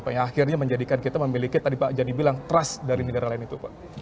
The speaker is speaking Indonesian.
yang akhirnya menjadikan kita memiliki tadi pak jadi bilang trust dari negara lain itu pak